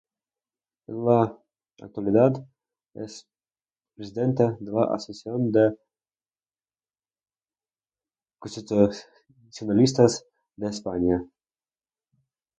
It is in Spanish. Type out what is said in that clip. En la actualidad es presidente de la Asociación de Constitucionalistas de España.